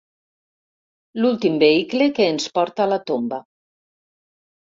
L'últim vehicle que ens porta a la tomba.